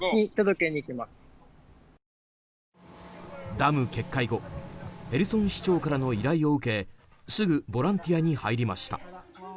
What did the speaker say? ダム決壊後へルソン市長からの依頼を受けすぐボランティアに入りました。